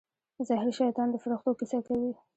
زهري شیطان د فرښتو کیسه کوي.